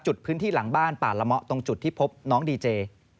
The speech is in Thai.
จุดพื้นที่หลังบ้านป่าละเมาะตรงจุดที่พบน้องดีเจ